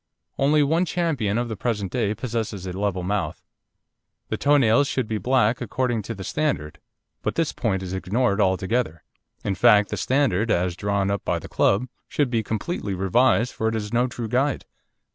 Only one champion of the present day possesses a level mouth. The toe nails should be black according to the standard, but this point is ignored altogether. In fact, the standard, as drawn up by the Club, should be completely revised, for it is no true guide.